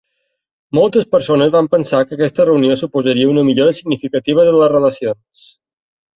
Moltes persones van pensar que aquesta reunió suposaria una millora significativa de les relacions.